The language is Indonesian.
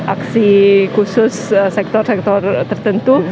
aksi khusus sektor sektor tertentu